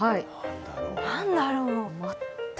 何だろう。